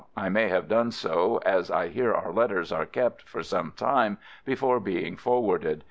I may have done so, as I hear our letters are kept for some time before being for warded.